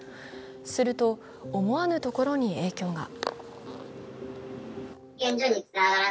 すると、思わぬところに影響が。